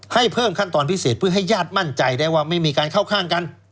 ให้เพิ่มขั้นตอนพิเศษเพื่อให้ญาติมั่นใจได้ว่าไม่มีการเข้าข้างกัน